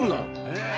え。